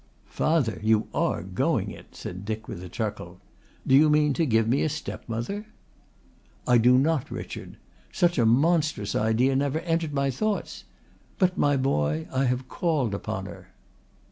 "Father, you are going it," said Dick with a chuckle. "Do you mean to give me a step mother?" "I do not, Richard. Such a monstrous idea never entered my thoughts. But, my boy, I have called upon her."